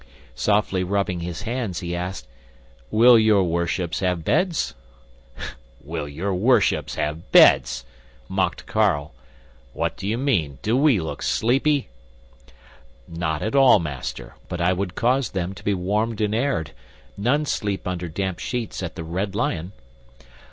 Softly rubbing his hands, he asked, "Will your worships have beds?" "'Will your worships have beds?'" mocked Carl. "What do you mean? Do we look sleepy?" "Not at all, master. But I would cause them to be warmed and aired. None sleep under damp sheets at the Red Lion."